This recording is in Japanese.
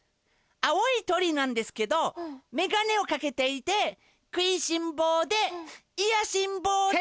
青いとりなんですけどめがねをかけていてくいしんぼうでいやしんぼうで。